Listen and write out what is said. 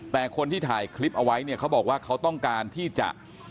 แต่คนที่ถ่ายคลิปเอาไว้เนี่ยเขาบอกว่าเขาต้องการที่จะ